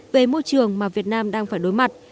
về môi trường mà việt nam đang phải đối mặt